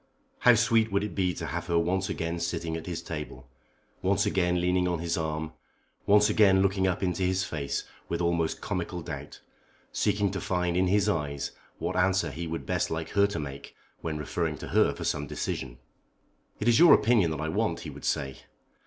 How sweet would it be to have her once again sitting at his table, once again leaning on his arm, once again looking up into his face with almost comical doubt, seeking to find in his eyes what answer he would best like her to make when referring to her for some decision. "It is your opinion that I want," he would say.